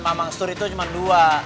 mama istri itu cuma dua